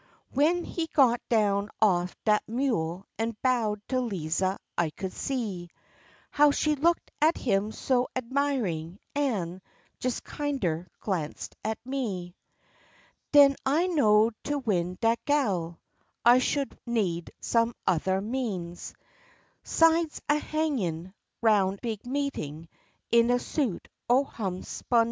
W'en he got down off dat mule an' bowed to Liza I could see How she looked at him so 'dmirin', an' jes kinder glanced at me. Den I know'd to win dat gal, I sho would need some othah means 'Sides a hangin' 'round big meetin' in a suit o' homespun jeans.